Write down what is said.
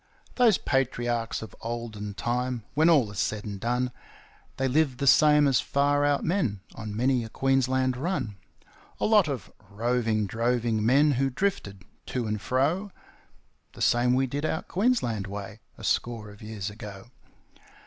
Those Patriarchs of olden time, when all is said and done, They lived the same as far out men on many a Queensland run A lot of roving, droving men who drifted to and fro, The same we did out Queensland way a score of years ago.